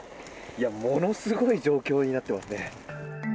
ものすごい状況になってますね。